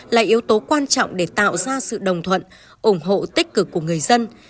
là yếu tố quan trọng để tạo ra sự đồng thuận ủng hộ tích cực của người dân